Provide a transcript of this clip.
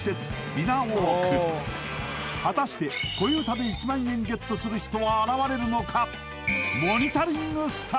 ビナウォーク果たして恋うたで１万円ゲットする人は現れるのか？